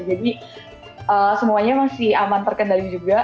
jadi semuanya masih aman terkendali juga